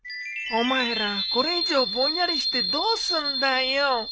お前らこれ以上ぼんやりしてどうすんだよ。